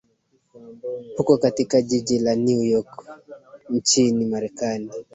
huko katika jiji la New York nchini marekani